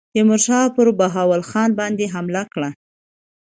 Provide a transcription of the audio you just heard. تیمورشاه پر بهاول خان باندي حمله کړې.